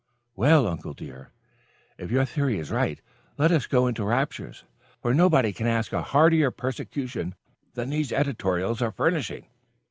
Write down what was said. "Well, uncle, dear; if your theory is right, let us go into raptures, for nobody can ask a heartier persecution than these editorials are furnishing."